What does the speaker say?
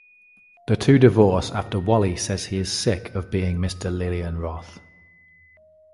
The two divorce after Wallie says he is sick of being Mr. Lillian Roth.